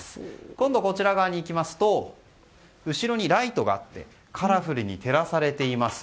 今度、こちら側に行きますと後ろにライトがあってカラフルに照らされています。